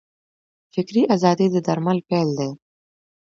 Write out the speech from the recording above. فکري ازادي د درمل پیل دی.